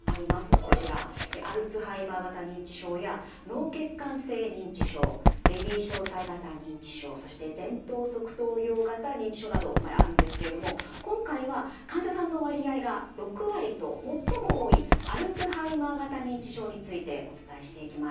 こちらアルツハイマー型認知症や脳血管性認知症レビー小体型認知症そして前頭側頭葉型認知症などあるんですけれども今回は患者さんの割合が６割と最も多いアルツハイマー型認知症についてお伝えしていきます。